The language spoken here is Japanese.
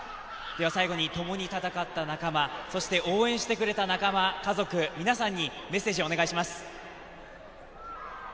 最後に共に戦った仲間、そして応援してくれた仲間、家族、皆さんにメッセージをお願いします。